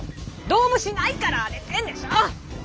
どうもしないから荒れてんでしょ！